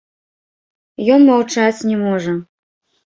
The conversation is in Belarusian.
Ён маўчаць не можа.